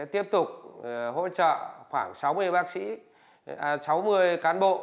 tiếp tục hỗ trợ khoảng sáu mươi bác sĩ sáu mươi cán bộ